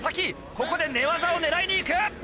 ここで寝技を狙いにいく！